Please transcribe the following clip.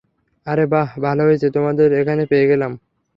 আরে বাহ, ভালো হয়েছে তোমাদের এখানেই পেয়ে গেলাম।